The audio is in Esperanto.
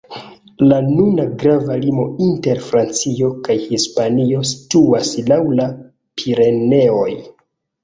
La nuna grava limo inter Francio kaj Hispanio situas laŭ la Pireneoj.